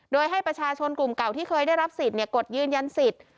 โดยให้ประชาชนกลุ่มเก่าที่เคยได้รับสิทธิ์กดยืนยันสิทธิ์